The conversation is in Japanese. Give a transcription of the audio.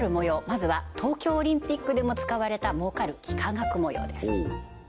まずは東京オリンピックでも使われた儲かる幾何学模様です